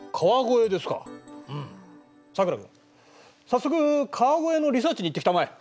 早速川越のリサーチに行ってきたまえ。